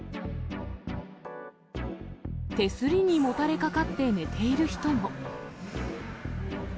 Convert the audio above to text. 手すりにもたれかかって寝ている人も。